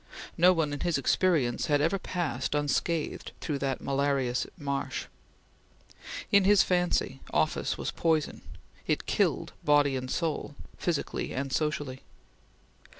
No one in his experience had ever passed unscathed through that malarious marsh. In his fancy, office was poison; it killed body and soul physically and socially.